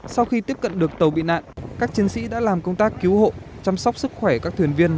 sau khi tiếp cận được tàu bị nạn các chiến sĩ đã làm công tác cứu hộ chăm sóc sức khỏe các thuyền viên